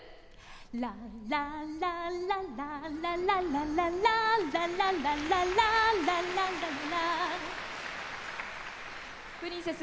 ラララララララララララララララプリンセス